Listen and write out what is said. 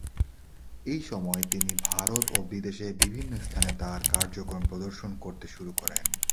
এই সময়ে, তিনি ভারত ও বিদেশে বিভিন্ন স্থানে তার কাজকর্ম প্রদর্শন করতে শুরু করেন।